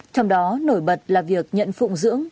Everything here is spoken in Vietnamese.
trong đó nổi bật là việc nhận phụng dưỡng